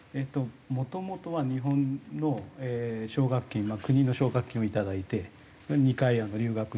もともとは日本の奨学金国の奨学金をいただいて２回留学して。